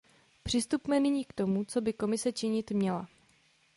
Přistupme nyní k tomu, co by Komise činit měla.